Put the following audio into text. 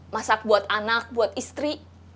masak buat anak buat istri